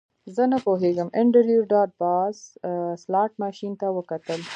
زه نه پوهیږم انډریو ډاټ باس سلاټ ماشین ته وکتل